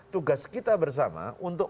tugas kita bersama untuk